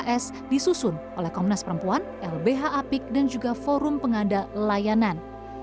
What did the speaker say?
dan disusun oleh komnas perempuan lbh apik dan juga forum penganda layanan